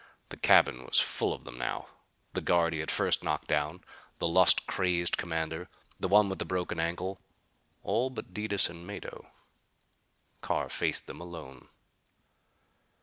The cabin was full of them now; the guard he had first knocked down; the lust crazed commander the one with the broken ankle. All but Detis and Mado. Carr faced them alone.